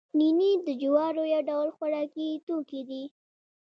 نینې د جوارو یو ډول خوراکي توکی دی